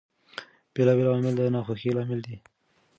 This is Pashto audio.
بېلابېل عوامل د ناخوښۍ لامل دي.